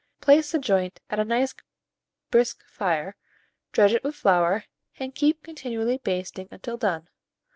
Place the joint at a nice brisk fire, dredge it with flour, and keep continually basting until done.